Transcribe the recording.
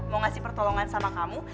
mau ngasih pertolongan sama kamu